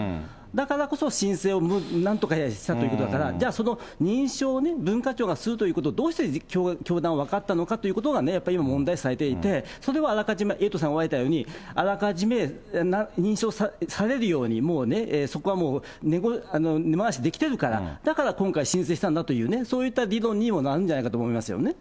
だからこそ申請をなんとかしたということだから、じゃあ、その認証を文化庁がするということを、どうして教団は分かったのかということが、今やっぱり問題視されていて、それをあらかじめ、エイトさんおっしゃられたように、あらかじめ認証されるように、もうそこは根回しできてるから、だから今回、申請したんだというね、そういった理論にもなるんじゃないかと思いますよね。